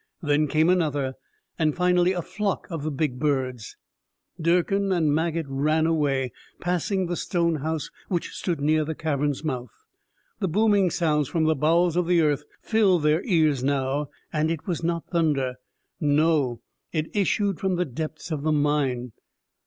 Then came another, and finally a flock of the big birds. Durkin and Maget ran away, passing the stone house which stood near the cavern's mouth. The booming sounds from the bowels of the earth filled their ears now, and it was not thunder; no, it issued from the depths of the mine.